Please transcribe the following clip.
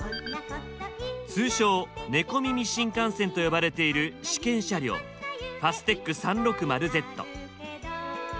通称「ネコミミ新幹線」と呼ばれている試験車両ｆａｓｔｅｃｈ３６０Ｚ。